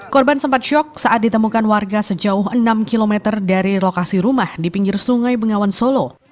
korban sempat syok saat ditemukan warga sejauh enam km dari lokasi rumah di pinggir sungai bengawan solo